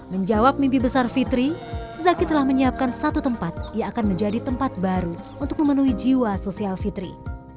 menjawab mimpi besar fitri zaki telah menyiapkan satu tempat yang akan menjadi tempat baru untuk memenuhi jiwa sosial fitri